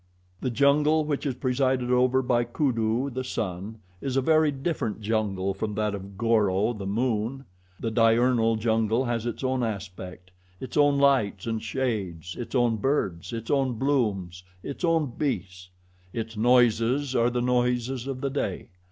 The jungle which is presided over by Kudu, the sun, is a very different jungle from that of Goro, the moon. The diurnal jungle has its own aspect its own lights and shades, its own birds, its own blooms, its own beasts; its noises are the noises of the day.